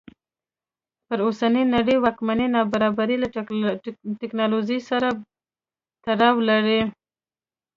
پر اوسنۍ نړۍ واکمنه نابرابري له ټکنالوژۍ سره تړاو لري.